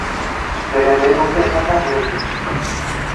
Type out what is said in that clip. Beren lehen urtea izan da gurekin.